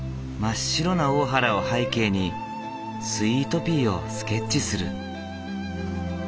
真っ白な大原を背景にスイートピーをスケッチする。